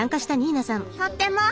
とっても。